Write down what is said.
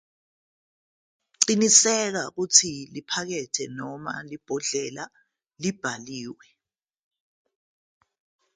Qiniseka ukuthi iphakethe noma ibhodlela libhaliwe.